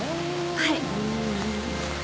はい。